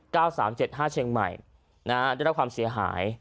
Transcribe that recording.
สามเจ็ดห้าเชียงใหม่นะฮะได้รับความเสียหาย